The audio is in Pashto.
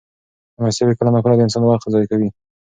مېلمستیاوې کله ناکله د انسان وخت ضایع کوي.